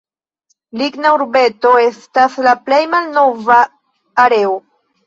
Ligna Urbeto estas la plej malnova areo.